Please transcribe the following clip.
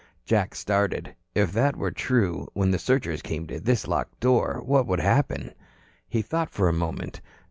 Jack started. If that were true, when the searchers came to this locked door, what would happen? He thought for a moment.